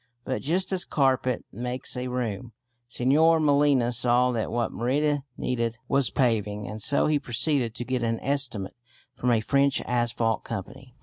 But just as a carpet makes a room, Señor Molina saw that what Merida needed was paving, and so he proceeded to get an estimate from a French asphalt company.